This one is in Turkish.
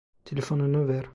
Telefonunu ver!